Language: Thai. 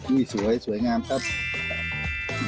อุ้ยสวยสวยงามครับ